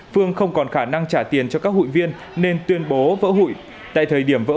phương không còn khả năng trả tiền cho các hụi viên nên tuyên bố vỡ hụi tại thời điểm vỡ